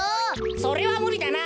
それはむりだな。